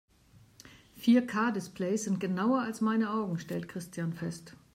Vier-K-Displays sind genauer als meine Augen, stellt Christian fest.